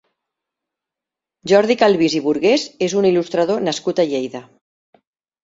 Jordi Calvís i Burgués és un il·lustrador nascut a Lleida.